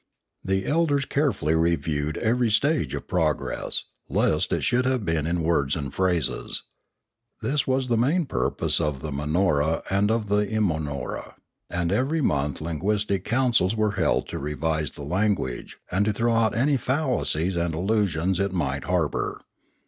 The elders carefully reviewed every stage of progress, lest it should have been in words and phrases. This was the main purpose of the Mauora and of the Imanora, and every month linguistic councils were held to revise the language, and to throw out any fallacies and illusions it might har bour.